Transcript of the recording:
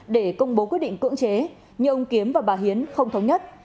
để công bố quyết định cưỡng chế nhưng ông kiếm và bà hiến không thống nhất